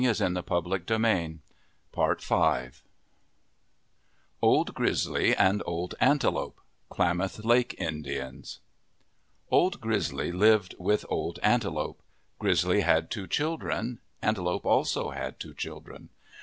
132 OF THE PACIFIC NORTHWEST OLD GRIZZLY AND OLD ANTELOPE Klamath Lake Indians OLD GRIZZLY lived with Old Antelope. Grizzly had two children. Antelope also had two children.